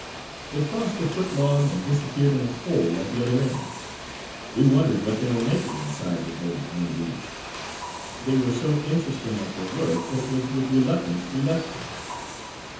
They crossed the foot log and disappeared in a hole at the other end. We wondered what they were making inside with those many leaves. They were so interesting at their work that it was with reluctance we left them.